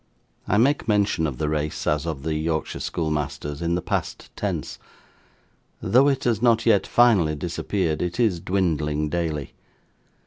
I make mention of the race, as of the Yorkshire schoolmasters, in the past tense. Though it has not yet finally disappeared, it is dwindling daily.